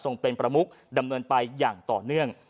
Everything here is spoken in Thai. เป็นประมุกดำเนินไปอย่างต่อเนื่อง